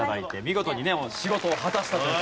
見事にね仕事を果たしたと。